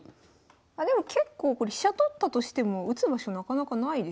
あでも結構これ飛車取ったとしても打つ場所なかなかないですよね。